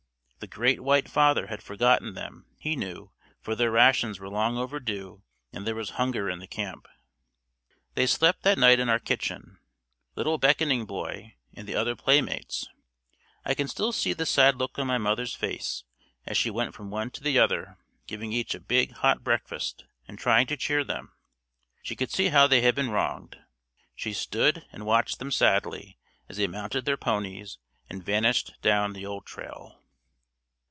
The Great White Father had forgotten them, he knew, for their rations were long overdue and there was hunger in the camp. They slept that night in our kitchen, "Little beckoning boy" and the other playmates. I can still see the sad look on my mother's face as she went from one to the other giving each a big, hot breakfast and trying to cheer them. She could see how they had been wronged. She stood and watched them sadly as they mounted their ponies and vanished down the old trail.